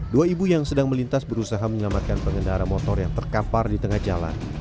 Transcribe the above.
dua ibu yang sedang melintas berusaha menyelamatkan pengendara motor yang terkampar di tengah jalan